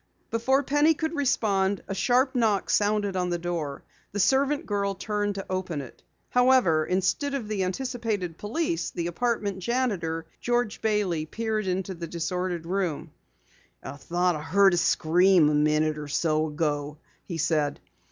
Before Penny could respond, a sharp knock sounded on the door. The servant girl turned to open it. However, instead of the anticipated police, the apartment janitor, George Bailey, peered into the disordered room. "I heard someone scream a minute or so ago," he said.